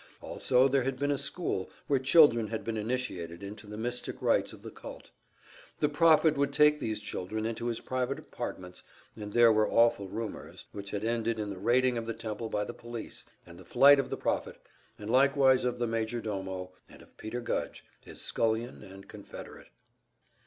Also there had been a school, where children had been initiated into the mystic rites of the cult. The prophet would take these children into his private apartments, and there were awful rumors which had ended in the raiding of the temple by the police, and the flight of the prophet, and likewise of the majordomo, and of Peter Gudge, his scullion and confederate.